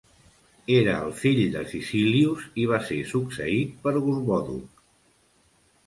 Era el fill de Sisillius I i va ser succeït per Gorboduc.